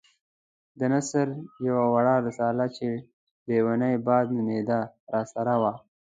د نثر يوه وړه رساله چې ليونی باد نومېده راسره وه.